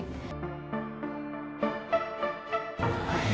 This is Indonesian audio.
kita belum sempat ketemu sama putri